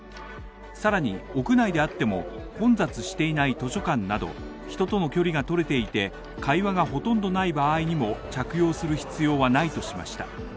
さらに、屋内であっても混雑していない図書館など人との距離が取れていて会話がほとんどない場合にも着用する必要はないとしました